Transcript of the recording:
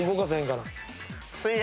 水泳。